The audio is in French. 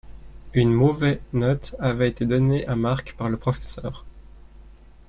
une mauvais note avait été donnée à Mark par le professeur.